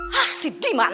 hah siti emang